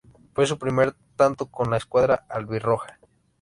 Fue su primer tanto con la escuadra albirroja.